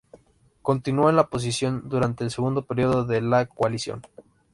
Continuó en la posición durante el segundo período de la coalición.